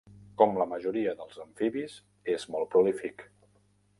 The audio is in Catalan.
Com la majoria dels amfibis és molt prolífic.